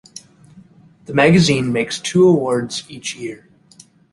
The magazine makes two awards each year.